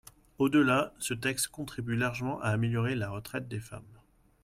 Au-delà, ce texte contribue largement à améliorer la retraite des femmes.